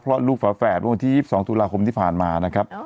เพราะลูกฝาแฝดที่๒๒ทุนาคมที่ผ่านมานะครับ